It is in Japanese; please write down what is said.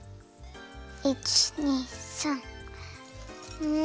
１２３！ん！